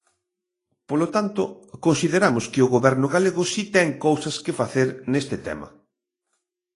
Polo tanto, consideramos que o Goberno galego si ten cousas que facer neste tema.